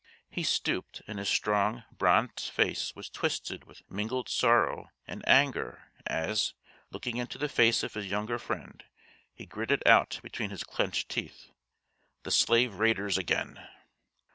He stooped and his strong, bronzed face was twisted with mingled sorrow and anger, as, looking into the face of his younger friend, he gritted out between his clenched teeth, "The slave raiders again!"